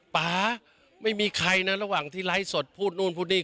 ป่าไม่มีใครนะระหว่างที่ไลฟ์สดพูดนู่นพูดนี่